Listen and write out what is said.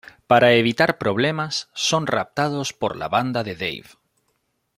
Para evitar problemas, son raptados por la banda de Dave.